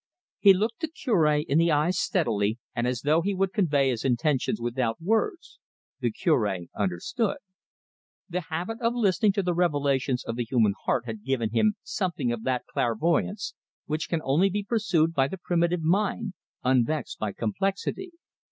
He looked the Cure in the eyes steadily, and as though he would convey his intentions without words. The Curb understood. The habit of listening to the revelations of the human heart had given him something of that clairvoyance which can only be pursued by the primitive mind, unvexed by complexity.